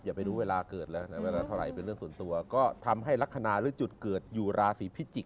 ไปดูเวลาเกิดแล้วนะเวลาเท่าไหร่เป็นเรื่องส่วนตัวก็ทำให้ลักษณะหรือจุดเกิดอยู่ราศีพิจิกษ